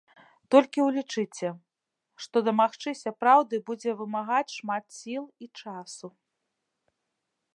Толькі ўлічыце, што дамагчыся праўды будзе вымагаць шмат сіл і часу.